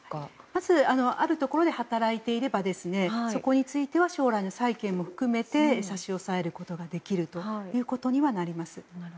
まず、あるところで働いていればそこについては将来の債権も含めて差し押さえることができるということにはなります。